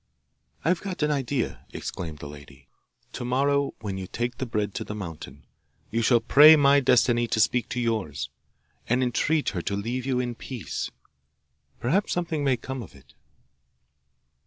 'I have got an idea,' exclaimed the lady. 'To morrow, when you take the bread to the mountain, you shall pray my Destiny to speak to yours, and entreat her to leave you in peace. Perhaps something may come of it!